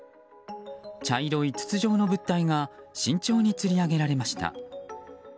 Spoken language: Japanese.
茶色い筒状の物体が慎重につり上げられました。